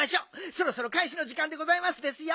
そろそろかいしのじかんでございますですよ。